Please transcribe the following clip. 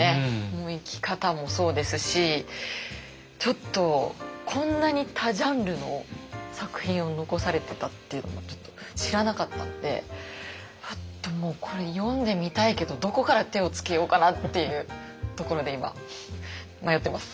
もう生き方もそうですしちょっとこんなに多ジャンルの作品を残されてたっていうのもちょっと知らなかったのでもうこれ読んでみたいけどどこから手をつけようかなっていうところで今迷ってます。